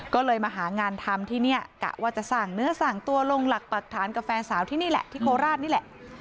ก็เลยมาหางานทำที่นี่กะว่าจะสั่งเนื้อสั่งตัวลงหลักปรักฐานกับแฟนสาวที่นี่แหละที่โคราชนี่แหละ